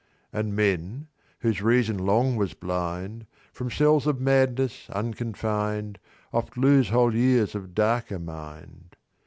"And men, whose reason long was blind, From cells of madness unconfined, Oft lose whole years of darker mind.